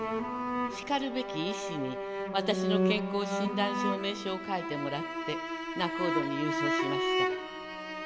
「しかるべき医師に私の健康診断証明書を書いてもらって仲人に郵送しました。